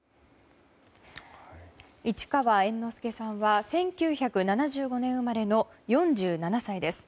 市川猿之助さんは１９７５年生まれの４７歳です。